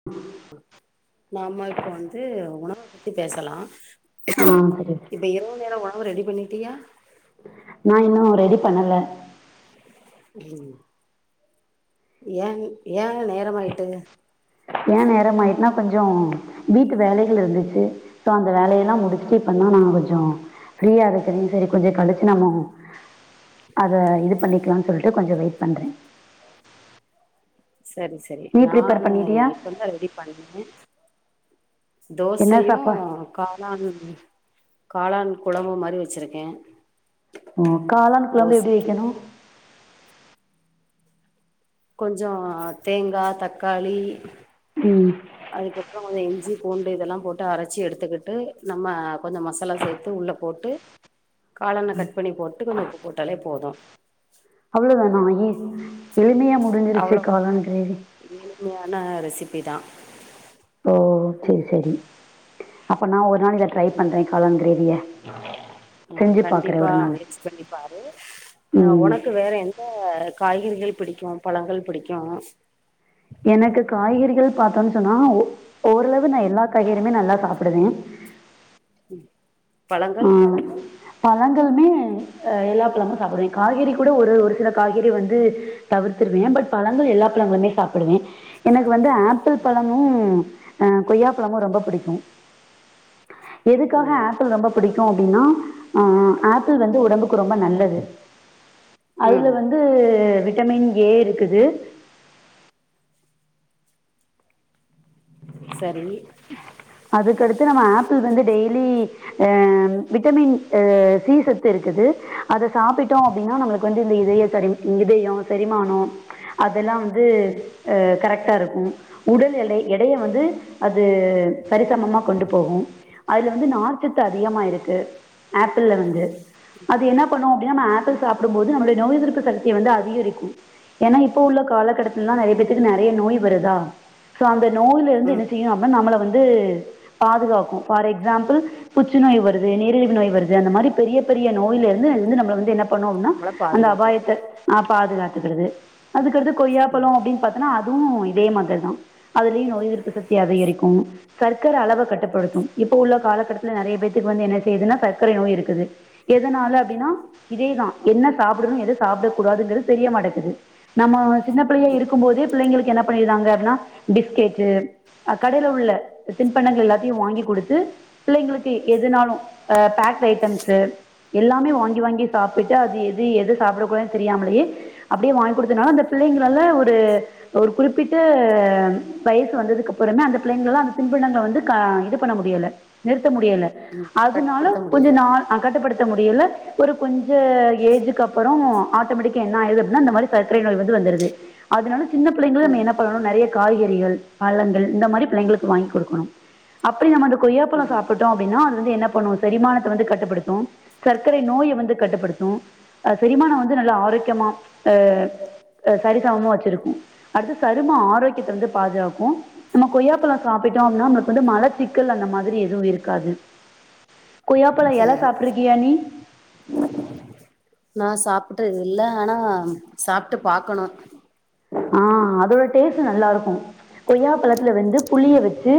[unintelligible] நாம இப்போ வந்து உணவ பத்தி பேசலா ஆ சரி இந்த இரவு நேர உணவு ரெடி பண்ணிட்டியா? நா இன்னு ரெடி பண்ணல ம் ஏ ஏ நேரமாயிட்டு ஏ நேரம் ஆயிட்னா கொஞ்ச வீட்டு வேலைகள் இருந்துச்சு. சோ அந்த வேலையெல்லா முடிச்ட்டு இப்பதா நா கொஞ்சோ ஃப்ரீயா இருக்கறே செரி கொஞ்ச கழிச்சி நம்மோ அத இது பண்ணிக்கலான் சொல்ட்டு கொஞ்சோ வெயிட் பண்ற சொரி செரி நீ ப்ரிப்பேர் நானு பண்ணிட்டியா இப்பந்தா ரெடி பண்ணே என்ன தோசையு சாப்பா காளான் காளான் கொழம்பு மாரி வச்சிருக்கே ஓ காளான் குழம்பு எப்டி தோசைக்கு வைக்கணு கொஞ்சோ தேங்கா தக்காளி ம் அதுக்கப்றோ கொஞ்ச இஞ்சி பூண்டு இதெல்லா போட்டு அரச்சி எடுத்துக்கிட்டு நம்ம கொஞ்ச மசாலா சேத் த்து உள்ள போட்டு காளான கட் பண்ணி போட்டு கொஞ்ச உப்பு போட்டாலே போது அவ்ளோதானா [inaudible] எளிமையா முடிஞ்சிருச்சு அவ்வளோதா காளான் கிரேவி எளிமையான ரெசிபி தா ஓ செரி செரி அப்ப நா ஒரு நாள் இத ட்ரை பண்ற காளான் கிரேவிய ஆ கண்டிப்பா முயற்சி பண்ணிப் பாரு அ ம் உனக்கு வேற என் ன காய்கறிகள் பிடிக்கும் பழங்கள் பிடிக்கும்? எனக்கு காய்கறிகள் பார்த்தோன் சொன்னா ஓ ஓரளவு நா எல்லா காய்கறியுமே நல்லா சாப்பிடுவே ம் பழங்கள் ஆஹ் பழங்களுமே அ எல்லா பழமு சாப்டுவே காய்கறி கூட ஒரு ஒரு சில காய்கறி வந்து தவிர்த்துருவே பட் பழங்கள் எல்லா பழங்களுமே சாப்புடுவே எனக்கு வந்து ஆப்பிள் பழமு அ கொய்யா பழமு ரொம்ப புடிக்கு எதுக்காக ம் ஆப்பிள் ரொம்ப புடிக்கு அப்டின்னா அ ஆப்பிள் வந்து உடம்புக்கு ரொம்ப நல்லது ம் அதுல வந் து விட்டமின் ஏ இருக்குது சரி அதுக்கடுத்து நம்ம ஆப்பிள் வந்து டெய்லி அ விட்டமின் அ சி சத்து இருக்குது அத சாப்பிட்டோ அப்டின்னா நம்மளுக் வந்து இந்த இதய செரி இதயோ செரிமானோ அதல்லா வந்து அ கரெக்டா இருக்கு உடல் எடை எடைய வந்து அது சரிசமமா கொண்டு போகு அதுல வந்து நார்ச்சத்து அதிகமா இருக்கு ஆப்பிள்ள வந்து அது என்னா பண்ணு அப்டின்னா நம்ம ஆப்பிள் சாப்டும் போது நம்ளுடைய நோய் எதிர்ப்பு சக்திய வந்து அதிகரிக்கு ஏன்னா இப்ப உள்ள காலகடத்துல்லா நறைய பேத்துக்கு நறைய நோய் வருதா சோ அந்த நோயில இருந்து என்ன ம் செய்யு அப்ப நம்மள வந்து பாதுகாக்கு ஃபார் எக்ஸாம்பிள் புற்று நோய் வருது நீரிழிவு நோய் வருது அந்த மாரி பெரிய பெரிய நோய்ல இருந்து இருந்து நம்மள வந்து என்னப் பண்ணு அப்டின்னா நம்மள அந்த பாதுகாக்குது அபாயத்த ஆ பாதுகாத்துக்கிறது அதுக்கடுத்து கொய்யா பழோ அப்டின் பாத்தன்னா அதுவு இதே மாத்ர் தா அதுலயு நோய் எதிர்ப்பு சக்தி அதிகரிக்கு சர்க்கர அளவ கட்டுப்படுத்து இப்ப உள்ள காலகட்டத்துல நறைய பேத்துக்கு வந்து என்ன செய்யுதுன்னா சர்க்கரை நோய் இருக்குது எதனால அப்டின்னா இதேதா என்ன சாப்புடுணு எத சாப்ட கூடாதுங்கிறது தெரியமாட்டக்குது நம்ம சின்ன பிள்ளைய இருக்கும் போதே பிள்ளைங்களுக்கு என்ன பண்ணியிர்றாங்க அப்டின்னா பிஸ்கேட்டு் அ கடையில உள்ள தின்பண்டங்கள் எல்லாத்தையு வாங்கி குடுத்து பிள்ளைங்களுக்கு எதுனாலு அ பேக்டு ஐட்டம்ஸு எல்லாமே வாங்கி வாங்கி சாப்பிட்டு அது எது எது சாப்புடக்கூடான்னு தெரியாமலே அப்டியே வாங்க குடுத்தனால அந்த பிள்ளைங்களால ஒரு ஒரு குறிப்பிட்ட வயசு வந்ததுக்கு அப்புறமே அந்த பிள்ளைகளால அந்த தின்பண்டங்கள வந்து க இது பண்ண முடியல நிறுத்த முடியல ம் அதுனால கட்டுப்படுத்த கொஞ்ச முடியல நாள் அ கட்டுப்படுத்த முடியல ஒரு கொஞ்ச ஏஜிக்கு அப்புறோ ஆட்டோமேட்டிக்கா என்ன ஆயிடுது அப்டின்னா இந்த மாரி சர்க்கரை நோய் வந்து வந்துருது அதுனால சின்ன பிள்ளைங்கள நம்ம ம் என்னா பண்ணணு நெறைய காய்கறி கறிகள் பழங்கள் இந்த மாரி பிள்ளைங்களுக்கு வாங்கி குடுக்கணு அப்டி நம்ம அந்த கொய்யாப்பழம் ம் சாப்புட்டோ அப்டின்னா அது வந்து என்ன பண்ணு செரிமானத்த வந்து கட்டுப்படுத்து சர்க்கரை நோய்ய வந்து கட்டுப்படுத்து அ செரிமானம் வந்து நல்லா ஆரோக்கியமா அ அ சரிசமமா வச்சிருக்கு அடுத்து சரும ஆரோக்கியத்த வந்து பாதுகாக்கு நம்ம கொய்யாப்பழம் சாப்பிட்டோ அப்டினா நம்மளுக்கு வந்து மலச்சிக்கல் அந்த மாதிரி எதுவு இருக்காது கொய்யாப்பழ இல சாப்டுருக்கியா நீ நா சாப்புட்ட இல்ல ஆனா சாப்ட்டு பாக்கணு ஆ அதோட டேஸ்ட்டு நல்லாருக்கு கொய்யா பழத்துல வந்து புளிய வச்சு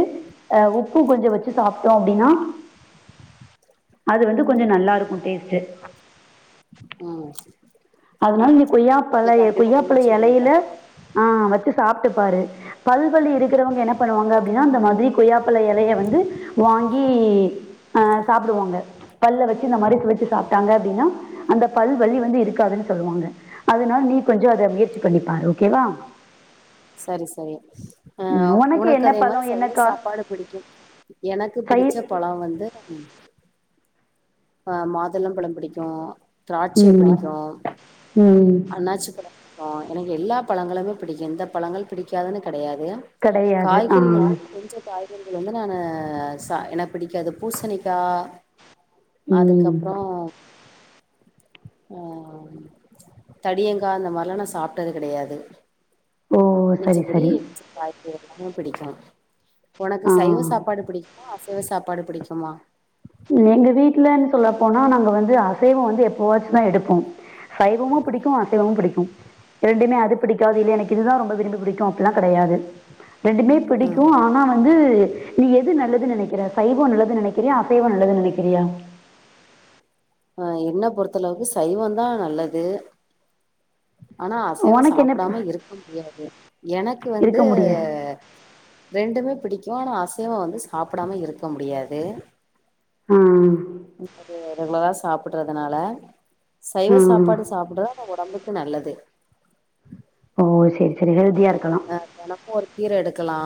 அ உப்பு கொஞ்சோ வச்சு சாப்ட்டோ அப்டினா அது வந்து கொஞ்சோ நல்லார்க்கு டேஸ்ட்டு ம் அதனால நீ இது கொய்யாப்பழய கண்டிப்பா கொய்யாப்பழ முயற்சி பண்றே எலையில ஆ வச்சு சாப்ட்டு பாரு பல் வலி இருக்கறவங்க என்ன பண்ணுவாங்க அப்டினா இந்த மாதிரி கொய்யாப்பழ எலைய வந்து வாங்கி ஆ சாப்டுவாங்க பல்ல வச்சு இந்த மாரி சுவச்சு சாப்ட்டாங்க அப்டினா அந்த பல் வலி வந்து இருக்காதுன்னு சொல்லுவாங்க அதுனால் நீ கொஞ்சோ அத முயற்சி பண்ணிப்பாரு ஓகேவா சரி சரி அ ம் உனக்கு என்ன அதே மாரி பழம் என்ன சைவ கா சாப்பாடு பிடிக்கும் எனக்கு சை பிடிச்ச பழோ வந்து ம் ஆ மாதுளம் பழம் பிடிக்கு திராட்சை ம் பிடிக்கு ம் அண்ணாச்சி பழம் பிடிக் கு எனக்கு எல்லா பழங்களுமே பிடிக்கு எந்த பழங்கள் பிடிக்காதுனு கெடயாது கிடையாது ஆ காய்கறிகள் வந்து கொஞ்ச காய் கறிகள் வந்து நானு சா ஏனா பிடிக்காது பூசணிக்கா ம் அதுக்கப்றோ ஆ தடியங்கா அந்த மார்ல்லா நா சாப்ட்டது கெடயாது ஓ சரி மிச்சபடி சரி காய்கறிகள் எல்லாமே பிடிக்கு உனக்கு சைவ ஆ சாப்பாடு பிடிக் குமா அசைவ சாப்பாடு பிடிக்குமா எங்க வீட்லன் சொல்ல போனா நாங்க வந்து அசைவோ வந்து எப்பவாச்சுந்தா எடுப்போ சைவமு பிடிக்கு அசைவமு பிடிக்கு ரெண்டுமே அது பிடிக்காது இல்ல எனக் இதுதா ரொம்ப விரும்பி புடிக்கு அப்பில்லா கெடயாது ரெண்டுமே பிடிக்கு ம் ஆனா வந்து நீ எது நல்லதுன் நெனைக்கிற சைவோ நல்லது நெனைக்கிறியா அசைவோ நல்லது நெனைக்கிறியா ஆ என்ன பொறுத்தளவுக்கு சைவந்தா நல்லது ஆனா அசைவோ உனக்கு என்ன ப- சாப்டாம இருக்க முடியாது எனக்கு இருக்க வந்து முடிய ரெண்டுமே பிடிக்கு ஆனா அசைவோ வந்து சாப்டாம இருக்க முடியாது ம் [inaudible] அது ரெகுலரா சாப்பட்றதுனால ஆ. சைவ சாப்பாடு சாப்புட்டா நம்ம ஒடம்புக்கு நல்லது ஓ செரி அ தெனமு ஒரு கீர எடுக்கலா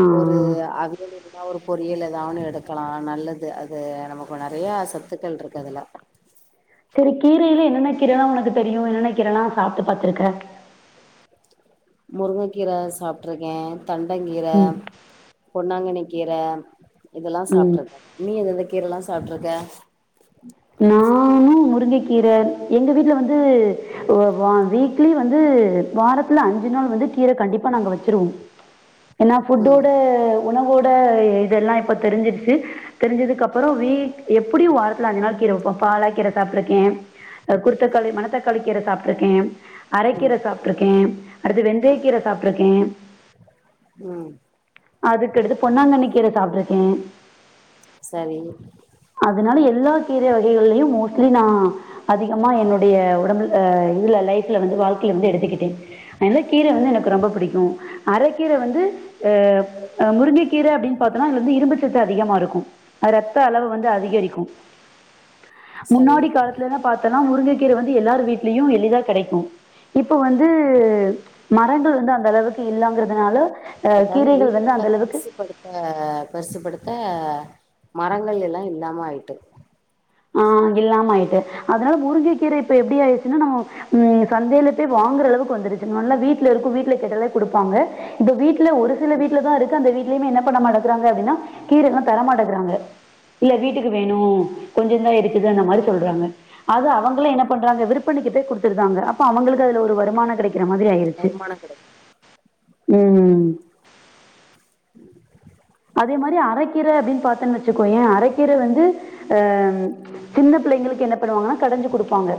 ஆ. ஒரு அவி யல் இல்லனா ஒரு பொரியல் எதா ஒன்னு எடுக்கலா நல்லது அது நமக்கு நெறைய சத்துக்கள்ருக்கு அதுல செரி கீரைலே என்னென்ன கீரைலா உனக்கு தெரியு என்னென்ன கீரல்லா சாப்ட்டு பாத்துருக்க முருங்கக்கீர சாப்ட்ருக்கே தண்டங் கீர, ம், பொன்னாங்கண்ணி கீர இதுல்லா ம். சாப்ட்ருக்க நீ எந்தெந்த கீரல்லா சாப்ட்ருக்க நானு முருங்கக்கீர எங்க வீட்ல வந்து ஒ வா வீக்லி வந்து வாரத்துல அஞ்சு நாள் வந்து கீர கண்டிப்பா நாங்க வச்சிருவோ ஏனா ஃபுட்டோட ம் உணவோட இதெல்லா இப்ப தெரிஞ்சிருச்சு தெரிஞ்சதுக்கப்பறோ வீக் எப்புடியு வாரத்துல அஞ்சு நாள் கீர வெப்போ பாலாக் கீர சாப்ட்ருக்கே அ குருத்தக்காளி மணத்தக்காளி கீர சாப்ட்ருக்கே அரைக்கீர ம் சாப்ட்ருக்கே அடுத்து வெந்தய கீர சாப்ட்ருக்கே ம் அதுக்கடுத்து பொன்னாங்கண்ணி கீர சாப்ட்ருக்கே சரி அதுனால எல்லா கீர வகைகள்லயு மோஸ்ட்லி நா அதிகமா என்னுடைய ஒடம்பு அ இதுல லைஃப்ல வந்து வாழ்க்கைல வந்து எடுத்துக்கிட்டே என்ன கீர வந்து எனக்கு ரொம்ப புடிக்கு அரக்கீர வந்து அ அ முருங்கக்கீர அப்டின் பாத்தோனா இதுல வந்து இரும்புச்சத்து அதிகமா இருக்கும் ரத்த அளவு வந்து அதிகரிக்கு சரி முன்னாடி காலத்துலல பாத்தோன முருங்கக்கீர வந்து எல்லாரு வீட்லியு எளிதா கெடைக்கு இப்ப வந்து மரங்கள் வந்து அந்த அளவுக்கு இல்லங்கறதுனால அ கீரைகள் வந்து அந்த அளவுக்கு கடுத்த பெருசுப்படுத்த மரங்கள் எல்லா இல்லாம ஆய்ட்டு ஆ இல்லாம ஆயிட்டு அதனால முருங்கக்கீர இப்ப எப்டி ஆய்ச்சுன்னா நம் ம் சந்தைல போய் வாங்குற அளவுக்கு வந்துருச்சு முன்னல்லா வீட்ல இருக்கு வீட்ல கேட்டாலே குடுப்பாங்க இப்ப வீட்ல ஒரு சில வீட்லதா இருக்கு அந்த வீட்லயுமே என்ன பண்ணமாட்டேங்கறாங்க அப்டின்னா கீரல்லா தர மாட்டக்கிறாங்க இல்ல வீட்டுக்கு வேணு கொஞ்சோ தா இருக்குது அந்த மாரி சொல்றாங்க அது அவங்களு என்ன பண்றாங்க விற்பனைக்கு போய் குடுத்துர்தாங்க அப்ப அவங்களுக்கு அதுல ஒரு வருமானோ கெடைக் க்கிற மாதிரி ஆயிருச்சு வருமான கெடைக்கு ம் [inaudible] அதே மாரி அரக்கீர அப்டின் பாத்தன் வச்சுக்கோய அரக்கீர வந்து அ சின்ன பிள்ளைங்களுக்கு என்ன பண்ணுவாங்கன்னா கடஞ்சு குடுப்பாங்க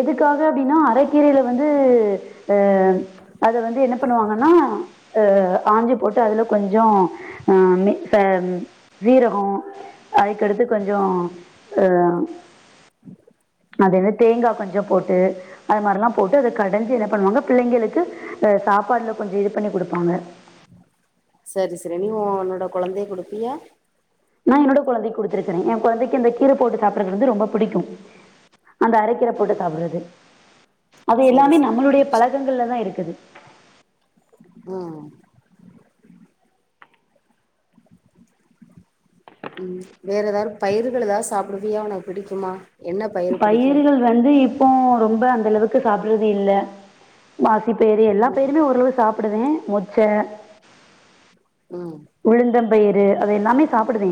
எதுக்காக அப்டின்னா அரக்கீரைல வந்து அ அத வந்து என்ன பண்ணுவாங்கன்னா அ ஆஞ்சு போட்டு அதுல கொஞ்சோ ஆ மே ச சீரகோ அதுக்கடுத்து கொஞ்சோ அ அது வந்து தேங்கா கொஞ்சோ போட்டு அது மாரிலா போட்டு அத கடஞ்சு என்ன பண்ணுவாங்க பிள்ளைங்களுக்கு அ சாப்பாட்ல கொஞ்சோ இது பண்ணி குடுப்பாங்க செரி சரி நீயு ஒன்னோட கொழந்தைய குடுப்பியா நா என்னோட கொழந்தைக் குடுத்திருக்கற எ கொழந்தைக்கு அந்த கீர போட்டு சாப்புறது வந்து ரொம்ப புடிக்கு அந்த அரக்கீர போட்டு சாப்ட்றது அது சரி எல்லாமே சரி நம்மளுடைய நல்ல விஷய பழகங்கள்ல தா இருக்குது ம் ம் வேற எதாவது பயிர்கள் எதா சாப்புடுவியா உனக் புடிக்குமா பயிர்கள் வந்து இப்போ ரொம்ப அந்த அளவுக்கு சாப்புறது இல்ல மாசி பேரு எல்லா பேருமே ஓரளவு சாப்புடுவ மொச்ச ம் உளுந்தம் பயிறு அத எல்லாமே சாப்பிடுவே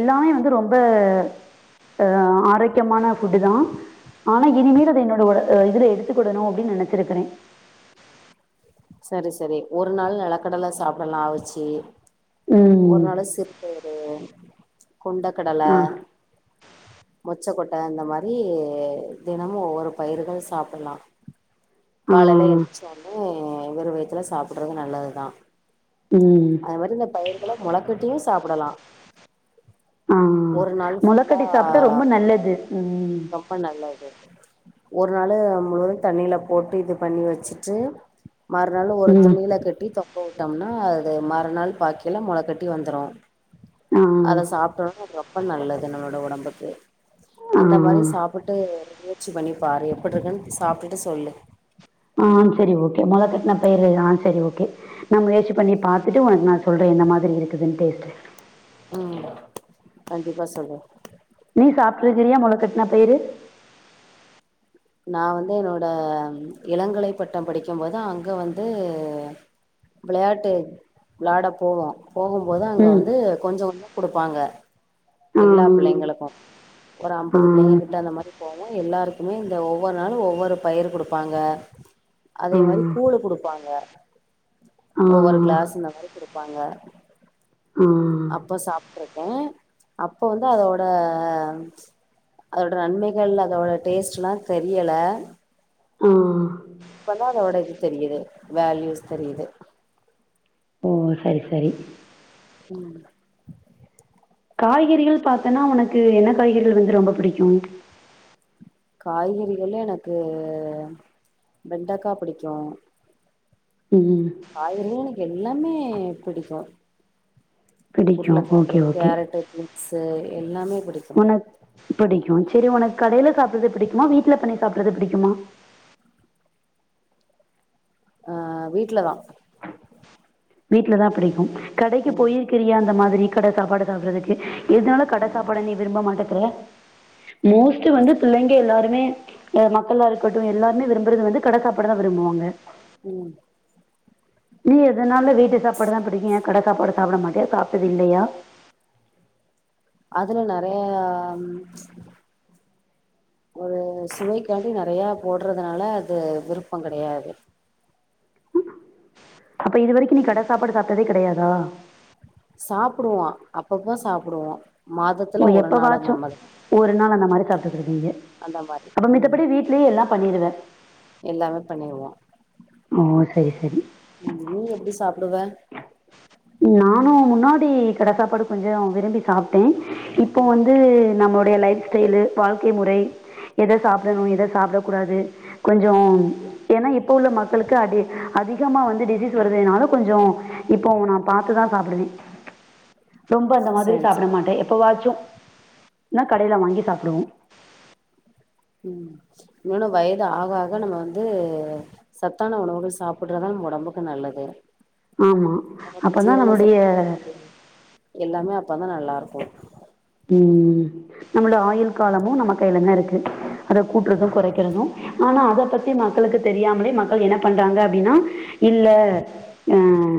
எல்லாமே வந்து ரொம்ப அ ஆரோக்கியமான ஃபுட்டு தா ஆனா இனிமேல் அத என்னோட ஒரு இதுல எடுத்துக்கிடனு அப்டின்னு நெனச்சிருக்றே செரி செரி ஒரு நாள் நெலக்கடல சாப்படலா அவிச்சு ஒரு ம் நாள் சிர் [unintelligible] கொண்ட கடல ஆ மொச்சகொட்ட அந்த மாரி தெனமு ஒவ்வொரு பயிர்கள் சாப்பிலா காலைல ஆ என்ச்சோனே வெறு வய்த்துல சாப்டறது நல்லது தா ம் கவர்ல பயிருகள மொளகட்டியு சாப்புடலா ஆ ஒரு நாள் ஃபுல்லா முளைக்கட்டி சாப்பிட்டா ரொம்ப நல்லது ம் ரொம்ப நல்லது ஒரு நாள் முழுது தண்ணில போட்டு இது பண்ணி வச்சுட்டு மறுநாள் ஒரு ம் துணில கட்டி தொங்க விட்டம்னா அ மறுநாள் பாக்கேல மொளகட்டி வந்துரு ஆ அத சாப்ட்டோனா ரொம்ப நல்லது நம்மோட ஒடம்புக்கு ஆ அந்த மாறி சாப்பிட்டு முயற்சி பண்ணிப்பாரு எப்டி இருக்குன்னு சாப்ட்டுட்டு சொல்லு ஆ செரி ஓகே மொள கட்ன பயிரு ஆ செரி ஓகே நா முயற்சி பண்ணி பாத்துட்டு ஒனக்கு நா சொல்றே எந்த மாதிரி இருக்குதுன் டேஸ்ட்டு ம் கண்டிப்பா சொல்லு நீ சாப்ட்டு இயக்குறயா மொள கட்ன பயிரு நா வந்து என்னோட இளங்கலை பட்டோ படிக்கம்போது அங்க வந்து விளையாட்டு விளாட போவோ போகுபோது அங்க ம் வந்து கொஞ்ச கொஞ்சோ குடுப்பாங்க ஆ எல்லா பிள்ளைங்களுக்கு ஒரு ஆ ஆ அம்பது பிள்ளைங்க கிட்ட அந்த மாறி போவோ எல்லாருக்குமே ஒவ்வொரு நாளு ஒவ்வொரு பயிரு குடுப்பாங்க அதே மாறி கூழு குடுப்பாங்க ஒவ்வொரு ஆ கிளாஸ் இந்த மாறி குடுப்பாங்க ம் அப்ப சாப்ட்ருக்கோ அப்ப வந்து அதோட அதோட நன்மைகள் அதோட டேஸ்ட்லா தெரியல ம் இப்ப தா அதோட இது தெரியுது வேல்யூஸ் தெரியுது ம் சரி சரி ம் காய்கறிகள் பாத்தன்னா ஒனக்கு என்ன காய்கறிகள் வந்து ரொம்ப பிடிக்கும் காய்கறிகள்ல எனக்கு வெண்டக்கா பிடிக்கும் ம் காய்கறில எனக்கு எல்லாமே பிடிக்கும் பிடிக்கும் உருளக்கெழங்கு ஓகே ஓகே கேரட்டு பீன்ஸூ எல்லாமே பிடிக் ஒனக் பிடிக்கும் செரி ஒனக் கடைல சாப்றது பிடிக்குமா வீட்ல பண்ணி சாப்றது பிடிக்குமா ஆ வீட்லதா வீட்ல தா பிடிக்கும் கடைக்கு ம் போயி பிரியா அந்த மாதிரி கட சாப்பாடு சாப்புடறதுக்கு எதுனால கட சாப்பாட நீ விரும்ப மாட்டக்ற மோஸ்ட்டு வந்து பிள்ளைங்க எல்லாருமே ஆ மக்களா இருக்கட்டும் எல்லாருமே விரும்புறது வந்து கட சாப்பாடு தா விரும்புவாங்க ம் நீ எதுனாலு வீட்டு சாப்பாடு தா பிடிக்கு ஏ கட சாப்பாடு சாப்ட மாட்டே சாப்ட்டது இல்லயா அதுல நெறயா ஓ சுவைக்கு வந்து நெறயா போடுறதுனால அது விருப்போ கெடயாது அப்ப இது வரைக்கு நீ கட சாப்பாடு சாப்ட்டதே கெடயாதா சாப்டுவோ அப்பப்போ சாப்டுவோ ஓ மாதத்துல ஒரு நாள் அந்த எப்பவாச்சும் மாரி ஒரு நாள் அந்த மாதிரி சாப்பிட்டுக்கிடுவீங்க அந்த மாரி அப்ப ம் மித்தபடி வீட்லயே எல்லாம் பண்ணிடுவ எல்லாமே பண்ணிருவோ ஓ சரி சரி நீ எப்டி சாப்பிடுவ நானும் முன்னாடி கட சாப்பாடு கொஞ்சோ விரும்பி சாப்ட்டே இப்போ வந்து நம்மளுடைய லைப் ஸ்டைலு வாழ்க்கை முறை எத சாப்டணு எத சாப்ட கூடாது கொஞ்சோ ஏன்னா இப்ப உள்ள மக்களுக்கு அடி அதிகமா வந்து டிசீஸ் வருதுனால கொஞ்சொ இப்போ நா பாத்துதா சாப்புடுவே ரொம்ப அந்த மாதிரி சரி சாப்பிட சரி மாட்டே எப்ப வாச்சு னா கடைல வாங்கி சாப்புடுவோ ம் இன்னொன்னு வயது ஆக ஆக நம்ம வந்து சத்தான உணவுகள் சாப்புட்றதா நம்ம ஒடம்புக்கு நல்லது ஆமாம் நமக்கு அப்போ தான் ஜீரண சக்தி நம்மளுடைய [inaudible] எல்லாமே அப்பதா நல்லா இருக்கு ம் ம் நம்முள ஆயுள் காலமு நம்ம கைல தா இருக்கு அத கூட்றது கொறைக்கிறது ஆனா அத பத்தி மக்களுக்கு தெரியாமலே மக்கள் என்ன பண்றாங்க அப்டின்னா இல்ல அ